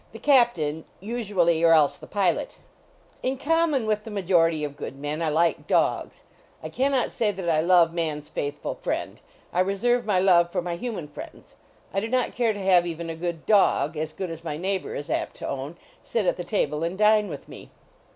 The captain, usually, or else the pilot. In common with the majority of good men, 236 HOUSEHOLD PETS I like dogs. I can not say that I love man s faithful friend. I reserve my love for my hu man friends. I do not care to have even a good dog, as good as my neighbor is apt to own, sit at the table and dine with me.